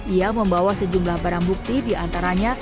ia membawa sejumlah barang bukti diantaranya